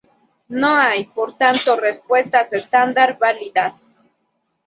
No hay, por tanto, respuestas estándar válidas.